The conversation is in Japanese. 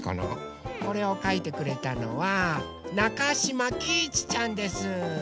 これをかいてくれたのはなかしまきいちちゃんです。